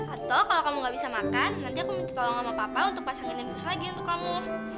atau kalo kamu gak bisa makan nanti aku minta tolong sama papa untuk pasangin infus lagi untuk kamu